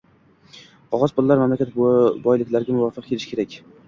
Qog‘oz pullar mamlakat boyliklariga muvofiq kelishi kerak.